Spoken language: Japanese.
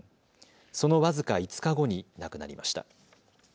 その僅か５日後に亡くなりました。